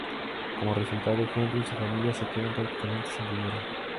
Como resultado, Henry y su familia se quedan prácticamente sin dinero.